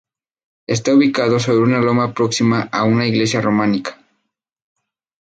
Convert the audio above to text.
Está ubicado sobre una loma próxima a una iglesia románica.